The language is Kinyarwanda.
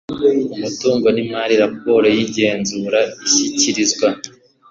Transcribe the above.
umutungo n imari raporo y igenzura ishyikirizwa